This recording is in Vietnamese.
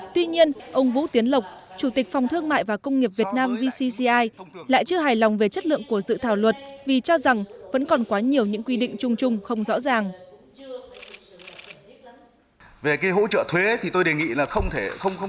tuy nhiên ông vũ tiến lộc chủ tịch phòng thương mại và công nghiệp việt nam vcci lại chưa hài lòng về chất lượng của dự thảo luật vì cho rằng vẫn còn quá nhiều những quy định chung chung không rõ ràng